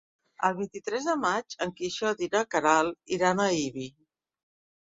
El vint-i-tres de maig en Quixot i na Queralt iran a Ibi.